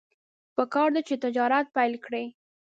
پکار ده چې تجارت پیل کړي.